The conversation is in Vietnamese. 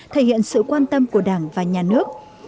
thể hiện sự quan tâm của đảng và nhà nước